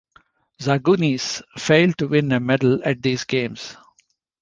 Zagunis failed to win a medal at these games.